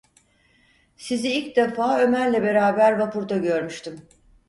Sizi ilk defa Ömer’le beraber vapurda görmüştüm!